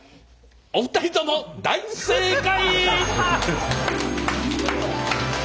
お二人とも大正解！